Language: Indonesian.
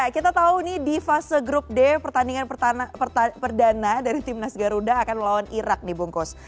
kita tahu di fase grup d pertandingan perdana dari timnas garuda akan melawan irak nih bungkus